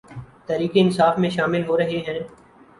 تحریک انصاف میں شامل ہورہےہیں